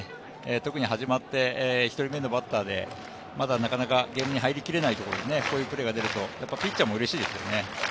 特に始まって１人目のバッターで、まだなかなかゲームに入りきれないところでこういうプレーがあるとピッチャーもうれしいですよね。